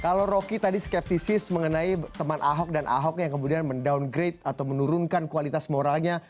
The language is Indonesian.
kalau rocky tadi skeptisis mengenai teman ahok dan ahok yang kemudian mendowngrade atau menurunkan kualitas moralnya